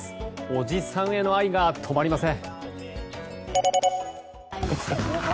おじさんへの愛が止まりません。